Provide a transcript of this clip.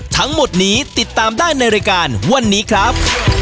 ทั้งหมดนี้ติดตามได้ในรายการวันนี้ครับ